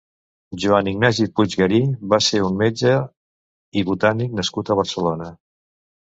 Joan Ignasi Puiggarí va ser un metge i botànic nascut a Barcelona.